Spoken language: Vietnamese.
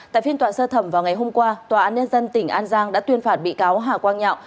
tại phiên tòa sơ thẩm vào ngày hôm qua tòa án nhân dân tỉnh an giang đã tuyên phạt bị cáo hà quang nhạo